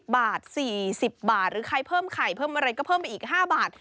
บาท๔๐บาทหรือใครเพิ่มไข่เพิ่มอะไรก็เพิ่มไปอีก๕บาท